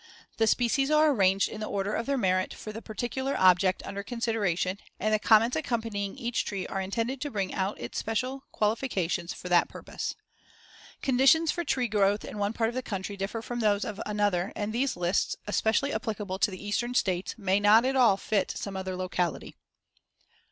The species are arranged in the order of their merit for the particular object under consideration and the comments accompanying each tree are intended to bring out its special qualifications for that purpose. Conditions for tree growth in one part of the country differ from those of another and these lists, especially applicable to the Eastern States, may not at all fit some other locality.